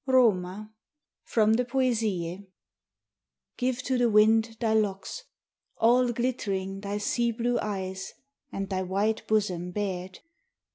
ROMA From the 'Poesie' Give to the wind thy locks; all glittering Thy sea blue eyes, and thy white bosom bared.